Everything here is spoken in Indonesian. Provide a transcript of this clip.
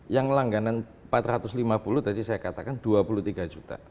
yang langganan empat ratus lima puluh tadi saya katakan dua puluh tiga juta